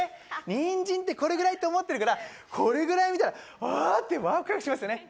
にんじんってこれぐらいと思ってるから、これぐらいを見たらわってワクワクしますね。